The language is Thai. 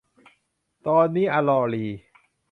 ตอนนี้ อรอรีย์